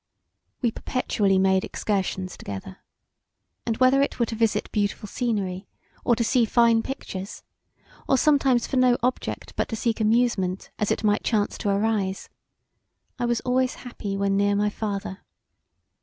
We perpetually made excursions together. And whether it were to visit beautiful scenery, or to see fine pictures, or sometimes for no object but to seek amusement as it might chance to arise, I was always happy when near my father.